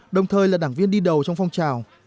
đồng thời là đảng viên đi đầu trong phong trào